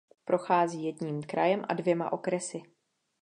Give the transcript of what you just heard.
Prochází jedním krajem a dvěma okresy.